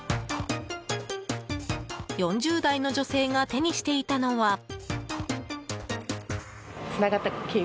４０代の女性が手にしていたのは。